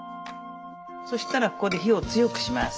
そしたらここで火を強くします。